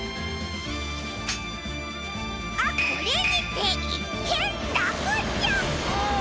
あっこれにていっけんらくちゃく！